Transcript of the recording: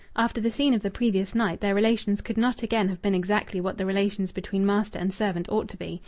After the scene of the previous night, their relations could not again have been exactly what the relations between master and servant ought to be.